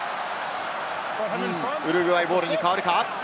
ウルグアイボールに変わるか？